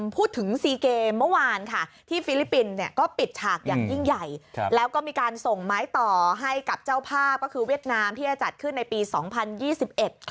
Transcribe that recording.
พูดถึงซีเกมเมื่อวานค่ะที่ฟิลิปปินส์เนี่ยก็ปิดฉากอย่างยิ่งใหญ่ครับแล้วก็มีการส่งไม้ต่อให้กับเจ้าภาพก็คือเวียดนามที่จะจัดขึ้นในปีสองพันยี่สิบเอ็ด